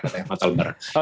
kata yang matal barat